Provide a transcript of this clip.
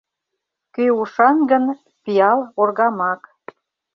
Кӧ ушан гын, пиал — оргамак.